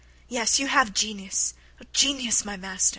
Yes, you have genius, genius, my master.